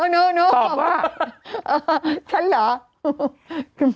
ตอบว่าฉันเหรอ